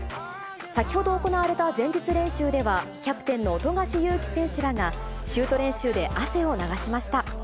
先ほど行われた前日練習では、キャプテンの富樫勇樹選手らが、シュート練習で汗を流しました。